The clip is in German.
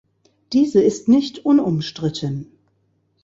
Diese ist nicht unumstritten.